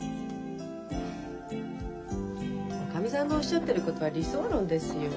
おかみさんがおっしゃってることは理想論ですよ。